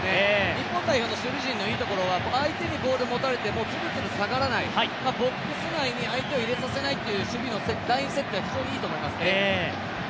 日本代表の守備陣のいいところは相手にボールを持たれてもずるずる下がらないボックス内に相手を入れさせない守備のラインセットはすごくいいと思いますね。